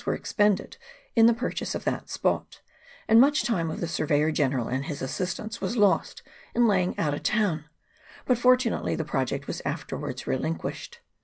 were expended in the purchase of that spot ; and much time of the surveyor general and his assistants was lost in lay ing out a town ; but, fortunately, the project was afterwards relinquished.